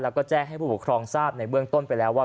แล้วก็แจ้งให้ผู้ปกครองทราบในเบื้องต้นไปแล้วว่า